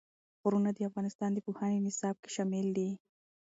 غرونه د افغانستان د پوهنې نصاب کې شامل دي.